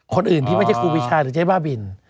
คนอื่นที่ไม่ใช่ครูปีชาหรือเจ๊บ้าบิน